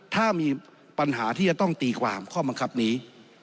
ถ้ามีปัญหาที่จะต้องตีความข้อบังคับนี้